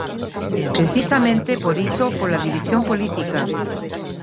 Precisamente por iso pola división política.